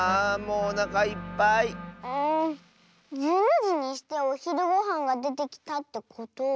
うん１２じにしておひるごはんがでてきたってことは。